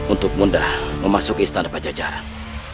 untuk mudah memasuki istana pajajaran